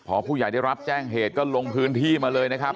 พอผู้ใหญ่ได้รับแจ้งเหตุก็ลงพื้นที่มาเลยนะครับ